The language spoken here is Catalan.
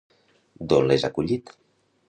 D'on les ha collit?